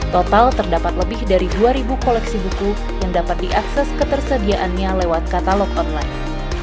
total terdapat lebih dari dua ribu koleksi buku yang dapat diakses ketersediaannya lewat katalog online